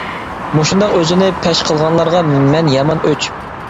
مۇشۇنداق ئۆزىنى پەش قىلغانلارغا مەن يامان ئۆچ.